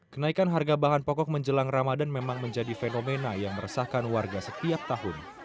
kenaikan harga bahan pokok menjelang ramadan memang menjadi fenomena yang meresahkan warga setiap tahun